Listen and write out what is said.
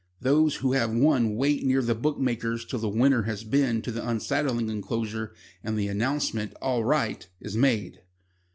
Those who have won wait near the bookmakers till the winner has been to the unsaddling enclosure and the announcement "All right" is made.